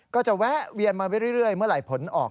ก็จะแวะเวียนมาเรื่อยเมื่อไหร่ผลออก